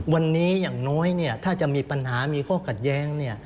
วันนี้อย่างน้อยถ้าจะมีปัญหามีข้อขัดแย้ง